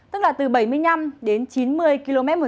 tức là từ bảy mươi năm đến chín mươi kmh